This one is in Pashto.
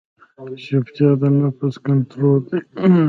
چپتیا، د نفس کنټرول دی.